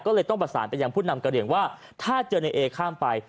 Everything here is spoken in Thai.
ก็เลยต้องประสานไปยังผู้นำกระเหลี่ยงว่าถ้าเจอในเอข้ามไป